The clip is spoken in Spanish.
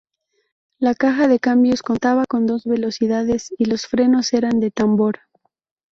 La caja de cambios contaba con dos velocidades y los frenos eran de tambor.